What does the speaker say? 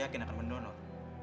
saya yakin akan mendonor